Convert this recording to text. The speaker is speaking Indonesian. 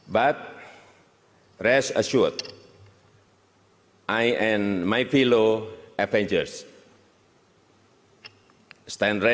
berdiri untuk menghalang thanos